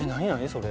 それ。